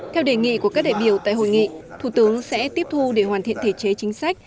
theo đề nghị của các đại biểu tại hội nghị thủ tướng sẽ tiếp thu để hoàn thiện thể chế chính sách